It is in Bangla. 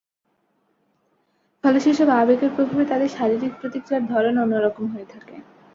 ফলে সেসব আবেগের প্রভাবে তাদের শারীরিক প্রতিক্রিয়ার ধরনও অন্য রকম হয়ে থাকে।